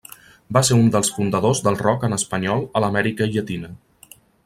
Va ser un dels fundadors del rock en espanyol a l'Amèrica Llatina.